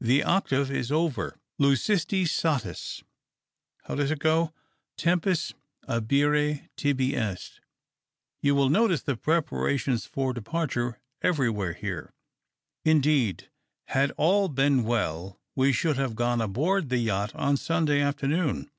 "The octave is over. Lusisti satis — how does it go ? Tempus ahire tihi est. You will notice the preparations for departure every where here. Indeed, had all been well, we should have gone aboard the yacht on Sun day afternoon.